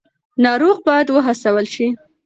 ناروغ باید وهڅول شي.